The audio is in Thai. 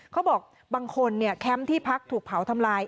เขาบอกบางคนเนี่ยแคมป์ที่พักถูกเผาทำลาย